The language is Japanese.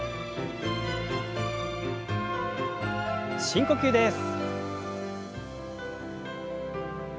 深呼吸です。